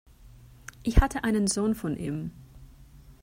Ich hatte einen Sohn von ihm.